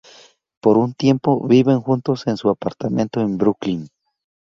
Por un tiempo, viven juntos en su apartamento en Brooklyn.